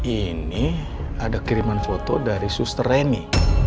ini ada kiriman foto dari suster reni